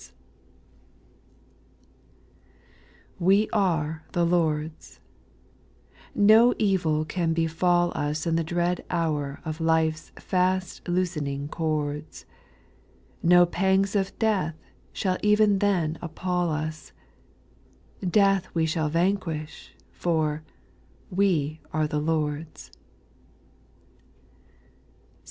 22S We are the Lord's/' No evil can befall us In the dread hour of life's fast loosening cords ; No pangs of death shall even then appal us ; Death we shall vanquish, for " We are the Lord's."